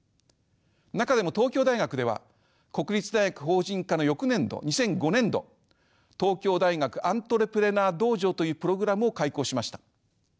中でも東京大学では国立大学法人化の翌年度２００５年度東京大学アントレプレナー道場というプログラムを開講しました。